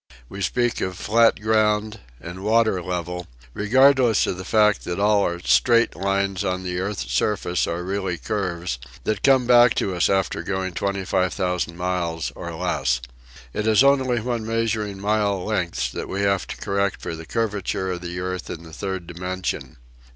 We speak of " flat ground " and " water level " regardless of the fact that all our " straight " lines on the earth's surface are really curves that come back to us after going 25,000 miles or less. It is only when measuring mile lengths that we have to correct for the curvature of the earth in the third dimension.